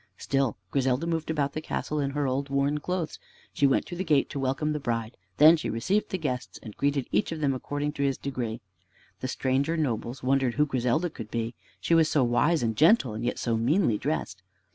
Still Griselda moved about the castle in her old worn clothes. She went to the gate to welcome the bride. Then she received the guests and greeted each of them according to his degree. The stranger nobles wondered who Griselda could be. She was so wise and gentle, and yet so meanly dressed.